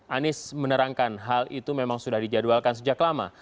anies menerangkan hal itu memang sudah dijadwalkan sejak lama